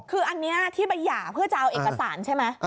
คืออันนี้ที่ไปหย่าเพื่อจะเอาเอกสารใช่ไหม